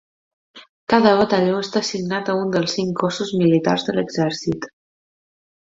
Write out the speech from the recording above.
Cada batalló està assignat a un dels cinc cossos militars de l'Exèrcit.